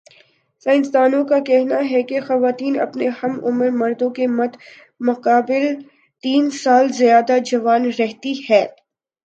science دانوں کا کہنا ہے کہ خواتین اپنے ہم عمر مردوں کے مدمقابل تین سال زیادہ جوان رہتی ہے